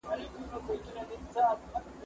قلم د زده کوونکي له خوا استعمالوم کيږي!؟